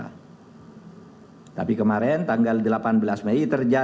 tujuh belas mei dua ribu dua puluh satu terjadi kontak senjata di ilaga kabupaten puncak satu anggota teroris tewas